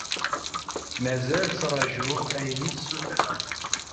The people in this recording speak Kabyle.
Mazal ttraǧuɣ ayen i d-sutreɣ.